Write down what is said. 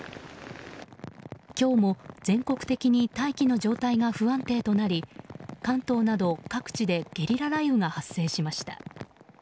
今日も全国的に大気の状態が不安定となり関東など各地でゲリラ雷雨が発生しました。